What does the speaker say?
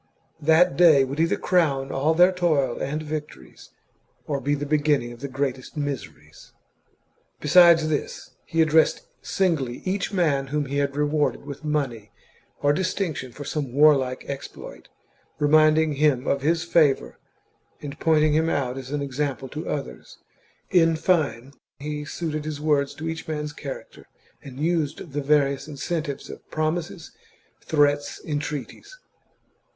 That day would either crown all their toil and victories, or be the beginning of the greatest miseries ! Besides this, he addressed singly each man whom he had rewarded with money or distinction for some warlike exploit, reminding him of his favour, and pointing him out as an example to others. In fine, he suited his words to each man's character, and used the various incentives of promises, threats, entreaties.